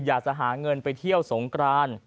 อยากจะหาเงินไปเที่ยวสงกราน